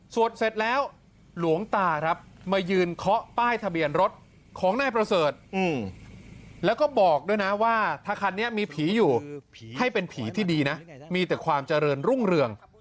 เสร็จแล้วหลวงตาครับมายืนเคาะป้ายทะเบียนรถของนายประเสริฐแล้วก็บอกด้วยนะว่าถ้าคันนี้มีผีอยู่ให้เป็นผีที่ดีนะมีแต่ความเจริญรุ่งเรือง